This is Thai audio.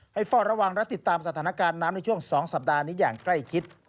เฝ้าระวังและติดตามสถานการณ์น้ำในช่วง๒สัปดาห์นี้อย่างใกล้ชิด